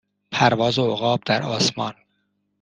پرواز عقاب در آسمان